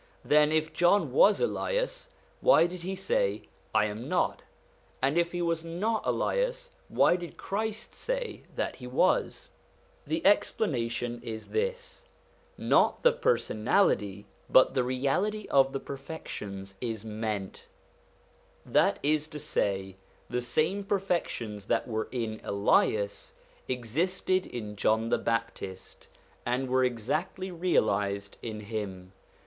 Then if John was Elias, why did he say ' I am not '? and if he was not Elias why did Christ say that he was ? The explanation is this: not the personality, but the reality of the perfections, is meant ; that is to say, the same perfections that were in Elias existed in John the Baptist, and were exactly realised in him.